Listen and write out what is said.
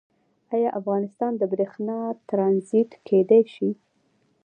آیا افغانستان د بریښنا ټرانزیټ کیدی شي؟